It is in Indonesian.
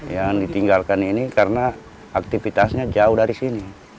yang ditinggalkan ini karena aktivitasnya jauh dari sini